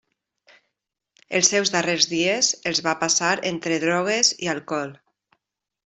Els seus darrers dies els va passar entre drogues i alcohol.